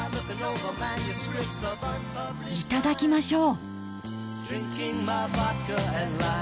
いただきましょう！